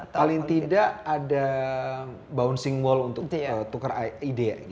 paling tidak ada bouncing wall untuk tukar ide